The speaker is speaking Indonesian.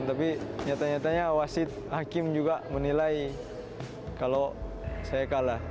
tapi nyata nyatanya wasit hakim juga menilai kalau saya kalah